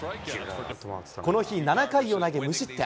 この日、７回を投げ無失点。